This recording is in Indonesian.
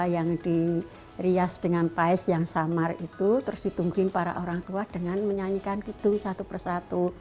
yang di rias dengan paes yang samar itu terus ditungguin para orang tua dengan menyanyikan kitung satu persatu